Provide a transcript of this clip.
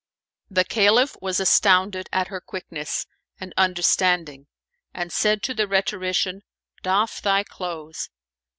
The Caliph was astounded at her quickness and understanding, and said to the rhetorician, "Doff thy clothes."